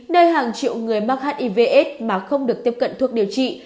nơi hàng triệu người mắc hiv aids mà không được tiếp cận thuốc điều trị